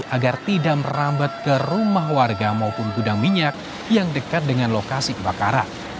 agar tidak merambat ke rumah warga maupun gudang minyak yang dekat dengan lokasi kebakaran